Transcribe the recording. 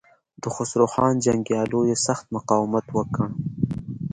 د خسرو خان جنګياليو سخت مقاومت وکړ.